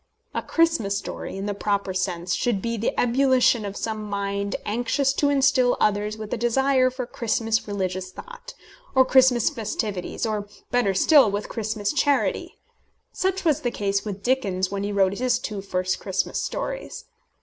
A Christmas story, in the proper sense, should be the ebullition of some mind anxious to instil others with a desire for Christmas religious thought, or Christmas festivities, or, better still, with Christmas charity. Such was the case with Dickens when he wrote his two first Christmas stories.